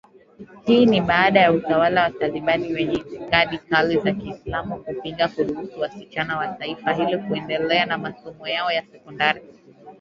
Hii ni baada ya utawala wa Taliban wenye itikadi kali za kiislamu, kupinga kuruhusu wasichana wa taifa hilo kuendelea na masomo yao ya sekondari